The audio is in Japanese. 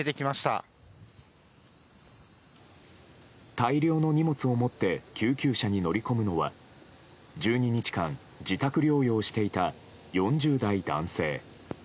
大量の荷物を持って救急車に乗り込むのは１２日間、自宅療養していた４０代男性。